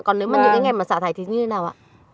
còn nếu mà những ngày mà xả thải thì như thế nào ạ